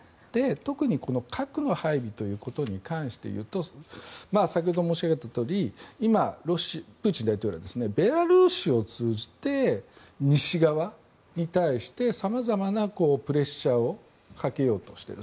特に核の配備ということに関して言うと先ほど申し上げたとおり今、プーチン大統領はベラルーシを通じて西側に対して様々なプレッシャーをかけようとしている。